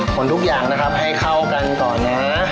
คนทุกอย่างนะครับให้เข้ากันก่อนนะ